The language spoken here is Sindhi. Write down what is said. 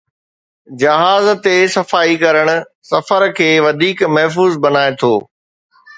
جهاز تي صفائي ڪرڻ سفر کي وڌيڪ محفوظ بڻائي ٿو